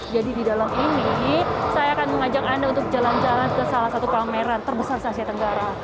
jadi di dalam ini saya akan mengajak anda untuk jalan jalan ke salah satu pameran terbesar di asia tenggara